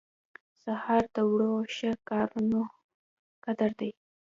سهار د وړو ښه کارونو قدر دی.